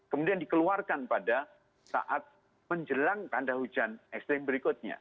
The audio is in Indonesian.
kemudian dikeluarkan pada saat menjelang tanda hujan ekstrim berikutnya